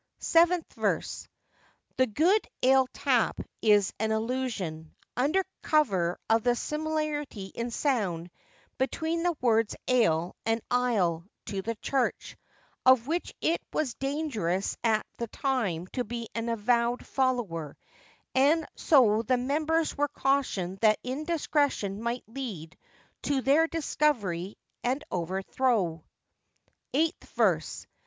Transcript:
Seventh Verse.—'The good ale tap' is an allusion, under cover of the similarity in sound between the words ale and aisle, to the Church, of which it was dangerous at the time to be an avowed follower; and so the members were cautioned that indiscretion might lead to their discovery and 'overthrow.' Eighth Verse.